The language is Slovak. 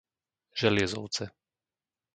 Želiezovce